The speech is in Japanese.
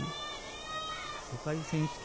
世界選手権